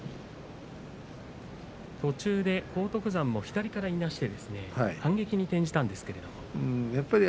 途中で荒篤山も左からいなして反撃に転じたんですけど。